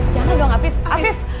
jangan doang afif